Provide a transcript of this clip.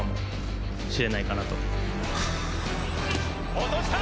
落とした！